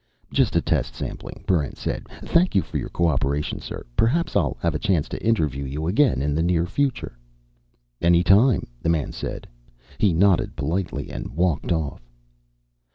"Just a test sampling," Barrent said. "Thank you for your cooperation, sir. Perhaps I'll have a chance to interview you again in the near future." "Any time," the man said. He nodded politely and walked off.